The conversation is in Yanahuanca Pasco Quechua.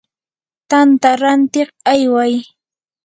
tanta rantiq ayway.